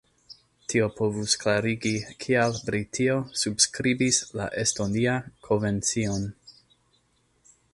Tio povus klarigi, kial Britio subskribis la Estonia-kovencion.